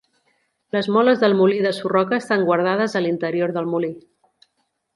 Les moles del molí de Surroca estan guardades a l'interior del molí.